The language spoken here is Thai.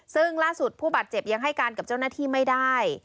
ซึ่งล่าสุดผู้บาดเจ็บยังให้การกับเจ้าหน้าที่ไม่ได้